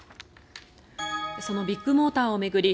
そのビッグモーターを巡り